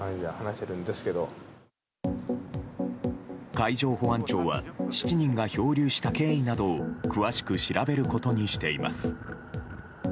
海上保安庁は７人が漂流した経緯などを詳しく調べることにしています。